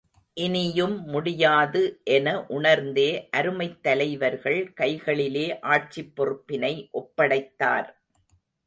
இனியும் முடியாது என உணர்ந்தே அருமைத் தலைவர்கள் கைகளிலே ஆட்சிப் பொறுப்பினை ஒப்படைத்தார்.